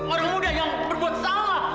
orang muda yang berbuat salah